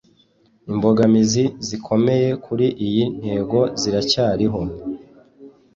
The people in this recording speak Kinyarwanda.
imbogamizi zikomeye kuri iyi ntego ziracyariho